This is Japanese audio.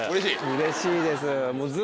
うれしいです。